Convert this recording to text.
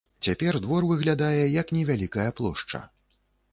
Цяпер двор выглядае як невялікая плошча.